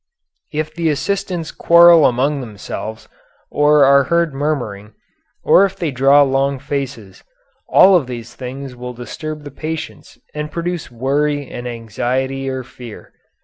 If the assistants quarrel among themselves, or are heard murmuring, or if they draw long faces, all of these things will disturb the patients and produce worry and anxiety or fear.